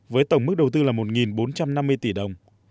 với tổng mức đầu tư là một bốn trăm năm mươi tỷ đồng